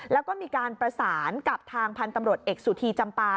แล้วก็มีการประสานกับทางพันธุ์ตำรวจเอกสุธีจำปา